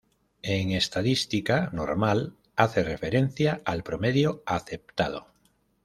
En estadística, "normal" hace referencia al promedio aceptado.